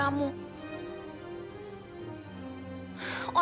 gimana perlakuan dia sama kamu